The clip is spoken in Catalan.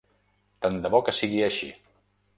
Tant de bo que sigui així.